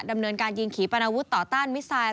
ดำเนินการยิงขี่ปนาวุธต่อต้านมิสไซด์